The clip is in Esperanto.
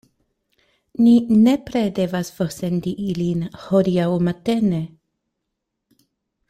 Ni nepre devas forsendi ilin hodiaŭ matene.